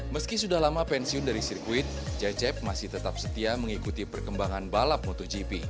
meski sudah lama pensiun dari sirkuit cecep masih tetap setia mengikuti perkembangan balap motogp